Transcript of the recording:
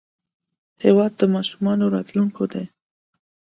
هېواد د ماشومانو راتلونکی دی.